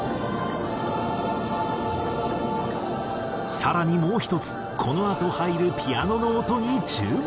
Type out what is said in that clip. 更にもう１つこのあと入るピアノの音に注目。